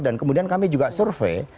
dan kemudian kami juga survei